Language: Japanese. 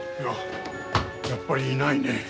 やっぱりいないね。